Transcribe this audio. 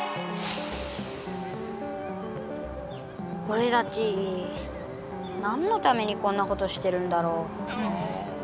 おれたち何のためにこんなことしてるんだろう？